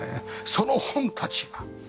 その本たちが。